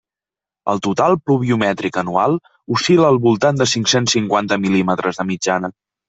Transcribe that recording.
El total pluviomètric anual oscil·la al voltant de cinc-cents cinquanta mil·límetres de mitjana.